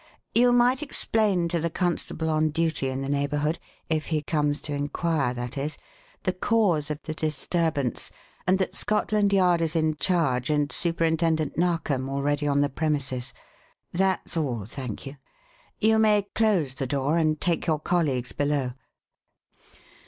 "You might explain to the constable on duty in the neighbourhood if he comes to inquire, that is the cause of the disturbance, and that Scotland Yard is in charge and Superintendent Narkom already on the premises. That's all, thank you. You may close the door and take your colleagues below.